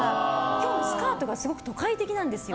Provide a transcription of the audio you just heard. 今日もスカートがすごく都会的なんですよ。